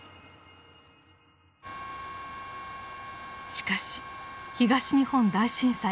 しかし東日本大震災が発生。